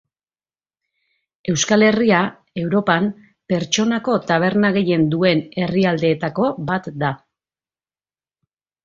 Euskal Herria, Europan, pertsonako taberna gehien duen herrialdeetako bat da.